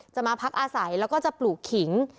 มาพักอาศัยแล้วก็จะปลูกขิง